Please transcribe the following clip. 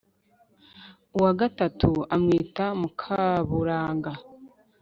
uwa gatatu amwita mukaburanga